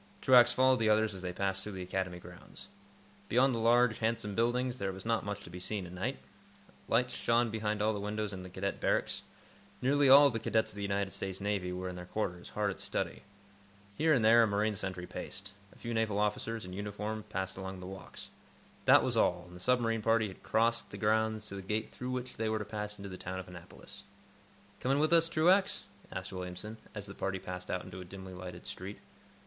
Truax followed the others as they passed through the Academy grounds. Beyond the large, handsome buildings, there was not much to be seen at night. Lights shone behind all the windows in Cadet Barracks. Nearly all of the cadets of the United States Navy were in their quarters, hard at study. Here and there a marine sentry paced. A few naval officers, in uniform, passed along the walks. That was all, and the submarine party had crossed the grounds to the gate through which they were to pass into the town of Annapolis. "Coming with us, Truax?" asked Williamson, as the party passed out into a dimly lighted street.